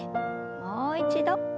もう一度。